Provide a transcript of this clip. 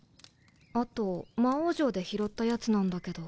あと魔王城で拾ったやつなんだけど。